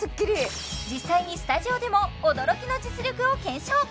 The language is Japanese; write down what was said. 実際にスタジオでも驚きの実力を検証！